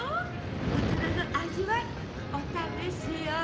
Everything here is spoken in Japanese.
大人の味わいお試しあれ！